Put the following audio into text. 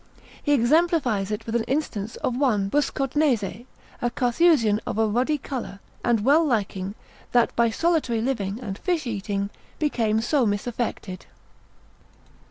He exemplifies it with an instance of one Buscodnese, a Carthusian of a ruddy colour, and well liking, that by solitary living, and fish eating, became so misaffected.